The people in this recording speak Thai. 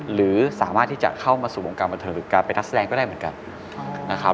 หรือสามารถที่จะเข้ามาสู่วงการบันเทิงหรือการเป็นนักแสดงก็ได้เหมือนกันนะครับ